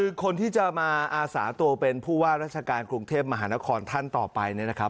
คือคนที่จะมาอาสาตัวเป็นผู้ว่าราชการกรุงเทพมหานครท่านต่อไปเนี่ยนะครับ